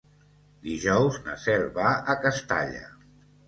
Dijous na Cel va a Castalla.